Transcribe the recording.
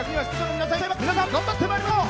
皆さん、頑張ってまいりましょう。